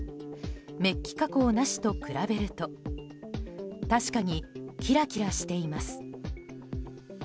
メッキ加工なしと比べると確かにキラキラしています。